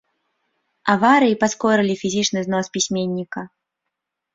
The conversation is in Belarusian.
Аварыі паскорылі фізічны знос пісьменніка.